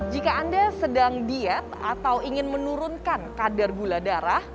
jika anda sedang diet atau ingin menurunkan kadar gula darah